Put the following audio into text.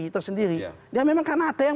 tersendiri ya memang karena ada yang